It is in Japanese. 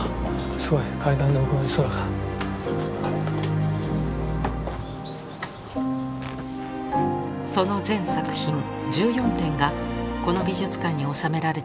その全作品１４点がこの美術館に収められています。